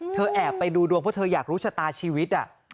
แอบไปดูดวงเพราะเธออยากรู้ชะตาชีวิต